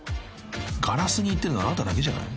［ガラスにいってるのあなただけじゃない？］